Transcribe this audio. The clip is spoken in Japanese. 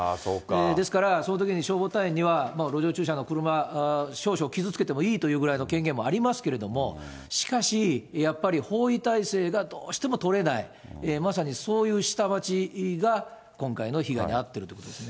ですから、そのときに消防隊員には路上駐車の車、少々傷つけてもいいというぐらいの権限もありますけれども、しかしやっぱり包囲態勢がどうしても取れない、まさにそういう下町が今回の被害に遭っているということですね。